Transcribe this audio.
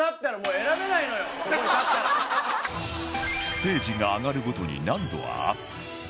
ステージが上がるごとに難度はアップ